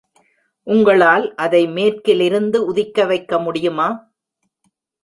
உங்களால் அதை மேற்கிலிருந்து உதிக்க வைக்க முடியுமா?